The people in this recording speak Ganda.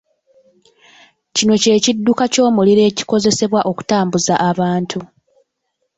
Kino kye kidduka eky’omuliro ekikozesebwa okutambuza abantu.